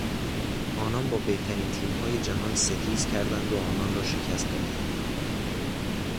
آنان با بهترین تیمهای جهان ستیز کردند و آنان را شکست دادند.